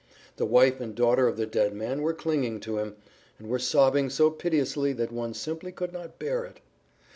The wife and daughter of the dead man were clinging to him, and were sobbing so piteously that one simply could not bear it.